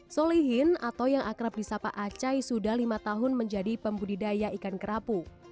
solihin atau yang akrab di sapa acai sudah lima tahun menjadi pembudidaya ikan kerapu